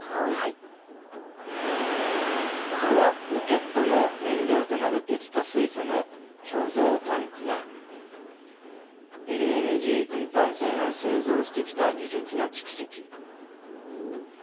それはロケットの燃料となる液化水素の貯蔵タンクや、ＬＮＧ運搬船を製造してきた技術の蓄積。